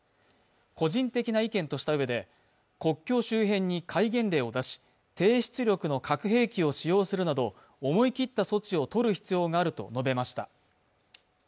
個人的な意見としたうえで国境周辺に戒厳令を出し、低出力の核兵器を使用するなど思い切った措置をとる必要があると述べました。